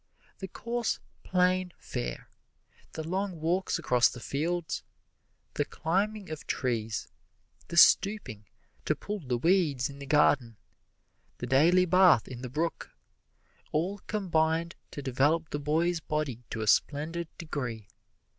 The coarse, plain fare, the long walks across the fields, the climbing of trees, the stooping to pull the weeds in the garden, the daily bath in the brook, all combined to develop the boy's body to a splendid degree.